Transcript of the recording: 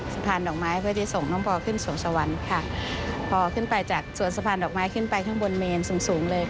สะพานดอกไม้เพื่อที่ส่งน้องปอขึ้นสวงสวรรค์ค่ะพอขึ้นไปจากสวนสะพานดอกไม้ขึ้นไปข้างบนเมนสูงสูงเลย